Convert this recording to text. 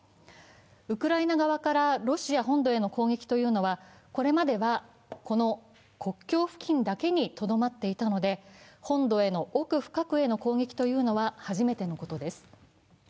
ウクライナ側からロシア本土への攻撃というのはこれまではこの国境付近だけにとどまっていたので本土への奥深くへの攻撃は初めてのことです。